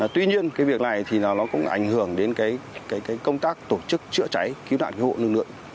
tuy nhiên việc này cũng ảnh hưởng đến công tác tổ chức chữa cháy cứu nạn hộ nương lượng